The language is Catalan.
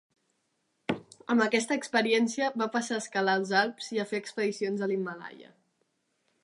Amb aquesta experiència va passar a escalar als Alps i a fer expedicions a l'Himàlaia.